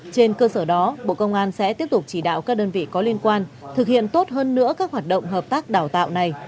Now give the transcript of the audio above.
trên cơ sở đó bộ công an sẽ tiếp tục chỉ đạo các đơn vị có liên quan thực hiện tốt hơn nữa các hoạt động hợp tác đào tạo này